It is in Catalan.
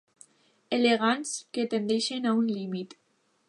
Elegants que tendeixen a un límit.